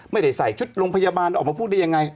ใส่ชุดโรงพยาบาลออกมาพูดได้ยังไง